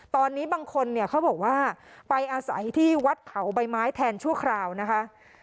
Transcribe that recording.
ตอนนี้บางคนเนี่ยเขาบอกว่าไปอาศัยที่วัดเขาใบไม้แทนชั่วคราวนะคะ